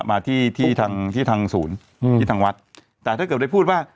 มาที่ที่ทางที่ทางศูนย์อืมที่ทางวัดแต่ถ้าเกิดได้พูดว่า